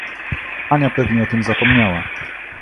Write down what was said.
Ania pewnie o tym zapomniała.